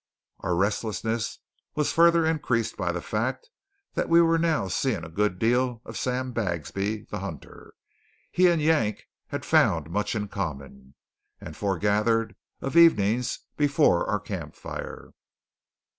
Our restlessness was further increased by the fact that we were now seeing a good deal of Sam Bagsby, the hunter. He and Yank had found much in common, and forgathered of evenings before our campfire.